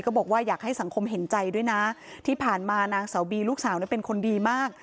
บอกว่าอยากให้สังคมเห็นใจด้วยนะที่ผ่านมานางสาวบีลูกสาวเป็นคนดีมาก